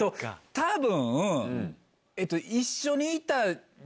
多分。